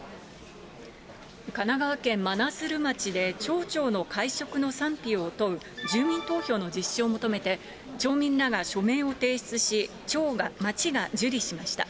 神奈川県真鶴町で町長の会食の賛否を問う住民投票の実施を求めて、町民らが署名を提出し、町が受理しました。